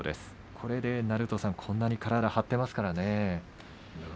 これでこんなに体を張っていますからね。